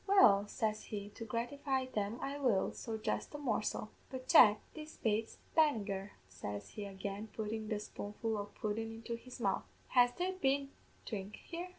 "'Well,' says he, 'to gratify them I will; so just a morsel. But, Jack, this bates Bannagher,' says he again, puttin' the spoonful o' pudden into his mouth; 'has there been dhrink here?'